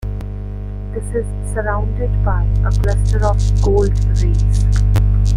This is surrounded by a cluster of gold rays.